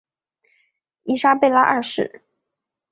伊莎贝拉二世。